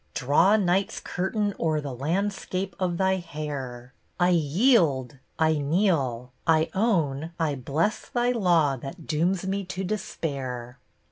Draw Night's curtain o'er the landscape of thy hair ! I yield ! I kneel ! I own, I bless thy law That dooms me to despair.